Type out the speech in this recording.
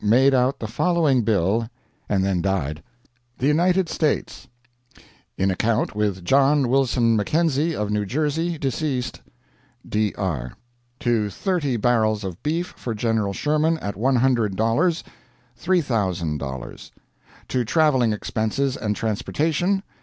made out the following bill, and then died: THE UNITED STATES In account with JOHN WILSON MACKENZIE, of New Jersey, deceased, .......... Dr. To thirty barrels of beef for General Sherman, at $100, $3,000 To traveling expenses and transportation